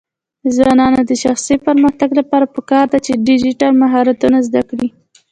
د ځوانانو د شخصي پرمختګ لپاره پکار ده چې ډیجیټل مهارتونه زده کړي.